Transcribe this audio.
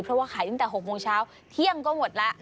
เพราะว่าขายตั้งแต่๖โมงเช้าเที่ยงก็หมดแล้ว